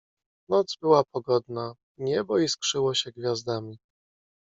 "Noc była pogodna, niebo iskrzyło się gwiazdami."